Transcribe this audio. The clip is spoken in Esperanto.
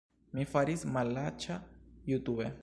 Mi faris malaĉa jutube